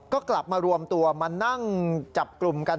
ก็กลับมารวมตัวมานั่งจับกลุ่มกัน